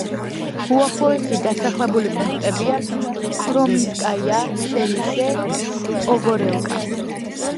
უახლოესი დასახლებული პუნქტებია: კრომინსკაია, სელიშე, პოგორელკა.